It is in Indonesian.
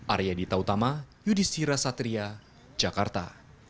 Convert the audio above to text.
arya dita utama yudhishira satria jakarta